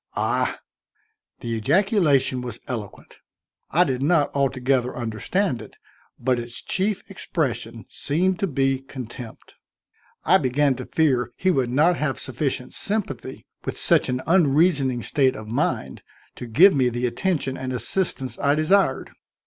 "Ah!" The ejaculation was eloquent. I did not altogether understand it, but its chief expression seemed to be contempt. I began to fear he would not have sufficient sympathy with such an unreasoning state of mind to give me the attention and assistance I desired.